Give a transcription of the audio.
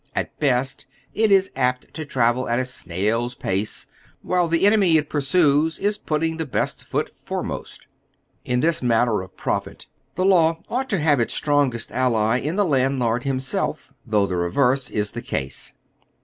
At best, it is apt to travel at a snail's pace, while the enemy it pursues is putting the best foot foremost. In this matter of profit the law ought to have its atrong oy Google HOW THE CASE STANDS. 285 est ally in the landlord himself, tliougli the reverse is the case.